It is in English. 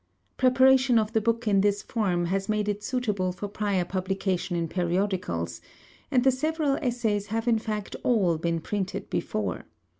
Preparation of the book in this form has made it suitable for prior publication in periodicals; and the several essays have in fact all been printed before.